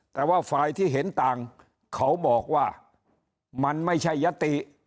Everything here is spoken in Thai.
แต่ว่าฝ่ายที่เห็นต่างเขาบอกว่ามันไม่ใช่ยติ